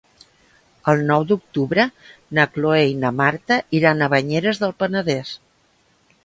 El nou d'octubre na Cloè i na Marta iran a Banyeres del Penedès.